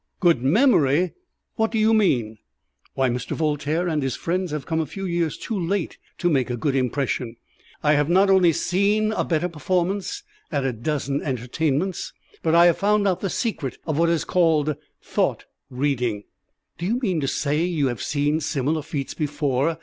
"Good memory! What do you mean?" "Why, Mr. Voltaire and his friends have come a few years too late to make a good impression. I have not only seen a better performance at a dozen entertainments, but I have found out the secret of what is called 'thought reading.'" "Do you mean to say you have seen similar feats before?"